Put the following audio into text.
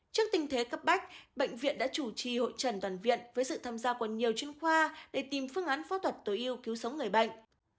trước tình thế cấp bách bệnh viện đã chủ trì hội trần toàn viện với sự tham gia của nhiều chuyên khoa để tìm phương án phẫu thuật tối yêu cứu sống người bệnh